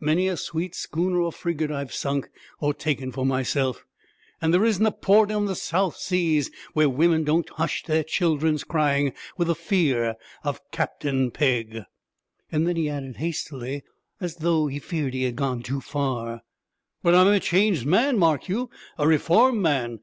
Many a sweet schooner or frigate I've sunk, or taken for myself, and there isn't a port on the South Seas where women don't hush their children's crying with the fear of Captain Pegg!' Then he added hastily, as though he feared he had gone too far, 'But I'm a changed man, mark you a reformed man.